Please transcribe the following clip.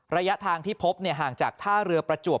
ระยะทางที่พบห่างจากท่าเรือประจวบ